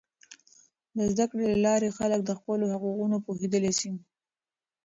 د زده کړې له لارې، خلک د خپلو حقونو پوهیدلی سي.